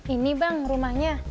ini bang rumahnya